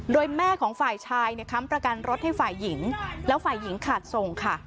โดยแม่ของฝ่ายชายเนี่ยค้ำประกันรถให้ฝ่ายหญิงแล้วฝ่ายหญิงขาดส่งค่ะ